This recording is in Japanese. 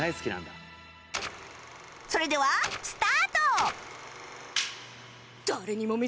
それではスタート！